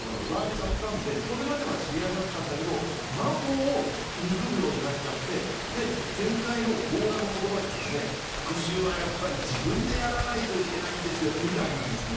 自分のターゲットが奪われちゃったんで、それまでは知り合いだったんだけど、真帆を憎むようになっちゃって、で、前回の強羅の言葉、復讐はやっぱり自分でやらないといけないんですよね、みたいな。